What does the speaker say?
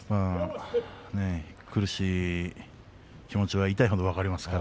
苦しい気持ち、痛いほど分かります。